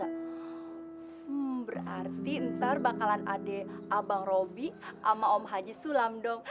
hmm berarti ntar bakalan adik abang roby sama om haji sulam dong